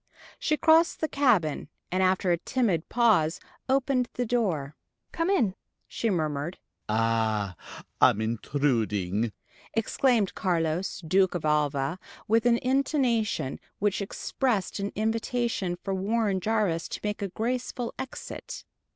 She crossed the cabin, and after a timid pause opened the door. "Come in," she murmured. "Ah, I'm intruding," exclaimed Carlos, Duke of Alva, with an intonation which expressed an invitation for Warren Jarvis to make a graceful exit.